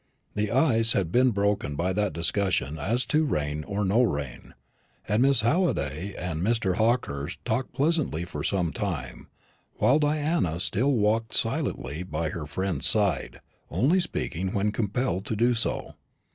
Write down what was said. The ice had been broken by that discussion as to rain or no rain, and Miss Halliday and Mr. Hawkehurst talked pleasantly for some time, while Diana still walked silently by her friend's side, only speaking when compelled to do so.